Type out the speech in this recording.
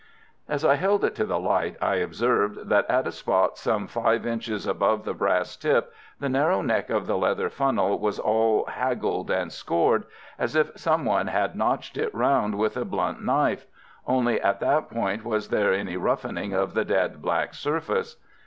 As I held it to the light I observed that at a spot some five inches above the brass tip the narrow neck of the leather funnel was all haggled and scored, as if some one had notched it round with a blunt knife. Only at that point was there any roughening of the dead black surface.